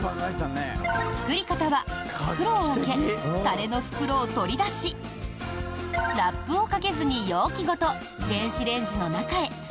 作り方は袋を開け、タレの袋を取り出しラップをかけずに容器ごと電子レンジの中へ。